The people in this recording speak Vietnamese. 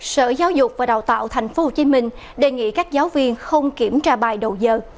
sở giáo dục và đào tạo tp hcm đề nghị các giáo viên không kiểm tra bài đầu giờ